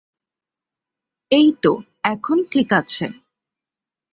এইতো, এখন ঠিক আছে।